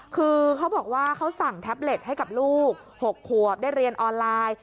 คือเขาบอกว่าเขาสั่งแท็บเล็ตให้กับลูก๖ขวบได้เรียนออนไลน์